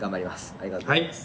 ありがとうございます。